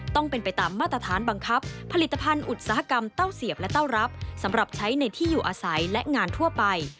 ต้องเป็นไปตามมาตรฐานบังคับผลิตภัณฑ์อุตสาหกรรมเต้าเสียบและเต้ารับสำหรับใช้ในที่อยู่อาศัยและงานทั่วไป